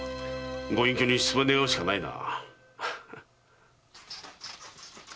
御隠居に出馬願うしかないな。